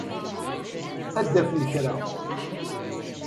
Ad d-afen kra.